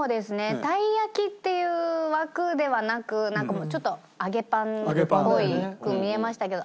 たい焼きっていう枠ではなくなんかちょっと揚げパンっぽく見えましたけど。